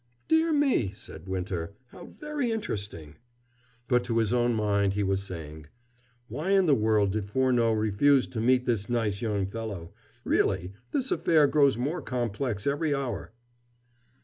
"Dear me!" said Winter, "how very interesting!" But to his own mind he was saying: "Why in the world did Furneaux refuse to meet this nice young fellow? Really, this affair grows more complex every hour."